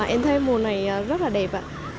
em thấy mùa này rất đẹp